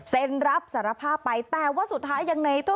เซ็นรับสารภาพไปแต่ว่าสุดท้ายังไง